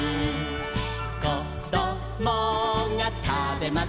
「こどもがたべます